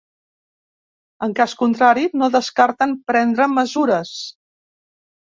En cas contrari no descarten prendre “mesures”.